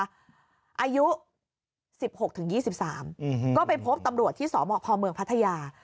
อายุ๑๖๒๓ก็ไปพบตำรวจที่สพเมืองพัทยา